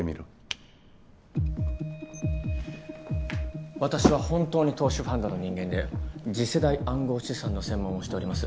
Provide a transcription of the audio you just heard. ピッ私は本当に投資ファンドの人間で次世代暗号資産の専門をしております。